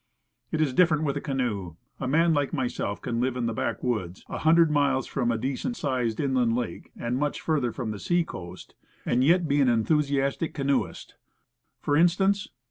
It is different with the canoe. A man like myself may live in the backwoods, *a hundred miles from a decent sized inland lake, and much further from the sea coast, and yet be an enthusiastic canoeist. For instance.